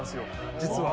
実は。